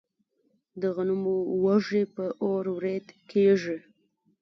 د غنمو وږي په اور وریت کیږي.